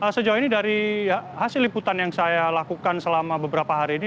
sejauh ini dari hasil liputan yang saya lakukan selama beberapa hari ini